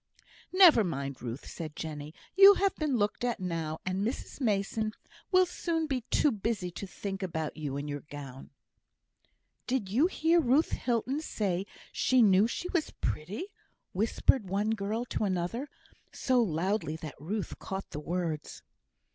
"Never mind, Ruth," said Jenny, "you've been looked at now, and Mrs Mason will soon be too busy to think about you and your gown." "Did you hear Ruth Hilton say she knew she was pretty?" whispered one girl to another, so loudly that Ruth caught the words.